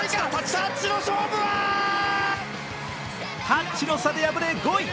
タッチの差で敗れ、５位。